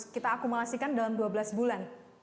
kita akumulasikan dalam dua belas bulan